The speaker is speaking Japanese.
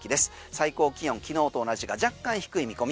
最高気温きのうと同じか若干低い見込み。